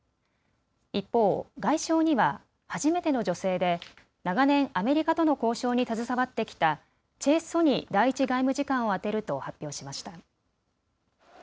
一方、外相には初めての女性で長年アメリカとの交渉に携わってきたチェ・ソニ第１外務次官を充てると発表しました。